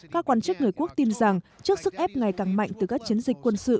các quan chức người quốc tin rằng trước sức ép ngày càng mạnh từ các chiến dịch quân sự